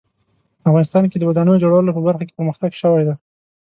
افغانستان کې د ودانیو جوړولو په برخه کې پرمختګ شوی ده